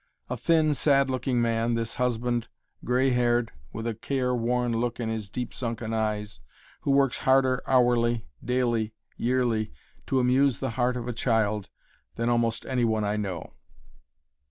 A thin, sad looking man, this husband, gray haired, with a careworn look in his deep sunken eyes, who works harder hourly, daily, yearly, to amuse the heart of a child than almost any one I know.